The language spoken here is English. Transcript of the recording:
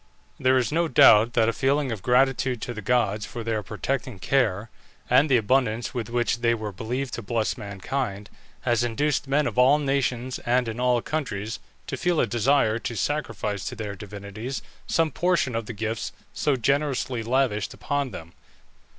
There is no doubt that a feeling of gratitude to the gods for their protecting care, and the abundance with which they were believed to bless mankind, has induced men of all nations and in all countries to feel a desire to sacrifice to their divinities some portion of the gifts so generously lavished upon them.